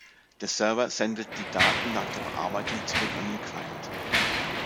Der Server sendet die Daten nach der Bearbeitung zurück an den Client.